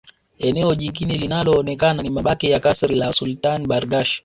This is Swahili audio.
Eneo jingine linaloonekana ni mabaki ya kasri la Sultan Barghash